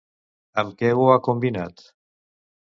Amb què ho ha combinat?